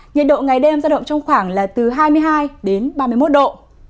nhiệt độ ngày đêm giao động trong khoảng là từ hai mươi hai đến ba mươi một độ